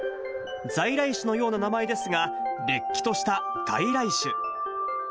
在来種のような名前ですが、れっきとした外来種。